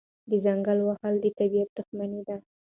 د ځنګلونو وهل د طبیعت دښمني ده.